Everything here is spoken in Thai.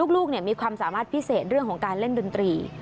ลูกมีความสามารถพิเศษเรื่องของการเล่นดนตรี